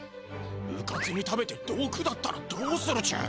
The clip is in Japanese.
うかつに食べてどくだったらどうするチュン。